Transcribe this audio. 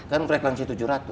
kan frekuensi tujuh ratus